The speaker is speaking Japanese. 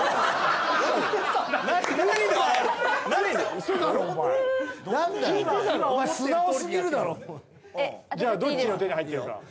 ウソだろお前じゃあどっちの手に入ってるか？